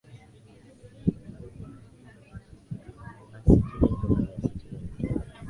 a sitini kutoka mia sitini na tano